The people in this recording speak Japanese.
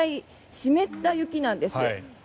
湿った雪なんです。